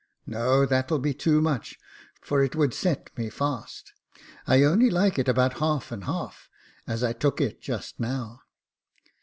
" No, that will be too much, for it would set me fast. I only like it about half and half, as I took it just now."